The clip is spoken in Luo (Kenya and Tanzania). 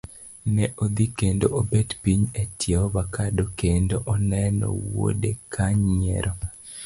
Ne odhi kendo obet piny etie avacado kendo oneno wuode ka nyiero.